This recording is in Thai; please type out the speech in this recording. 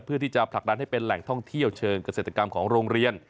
เพื่อที่จะผลักดันให้เป็นแหล่งท่องเที่ยวเชิงเกษตรกรรมของโรงเรียน